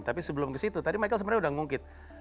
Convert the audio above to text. tapi sebelum di situ tadi michael sebenarnya udah ngungkit